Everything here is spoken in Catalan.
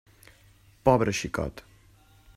Pobre xicot!